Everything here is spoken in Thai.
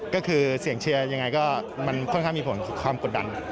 ก็คือเสียงเชียร์ยังไงก็มันค่อนข้างมีผลความกดดัน